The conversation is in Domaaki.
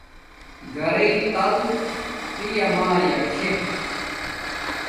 گھرݵ تل پیا مایا چھے